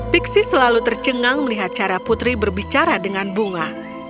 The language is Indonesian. pixi selalu tercengang melihat cara putri berbicara dengan bunga